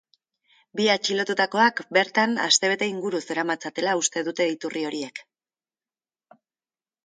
Bi atxilotutakoak, bertan, astebete inguru zeramatzatela uste dute iturri horiek.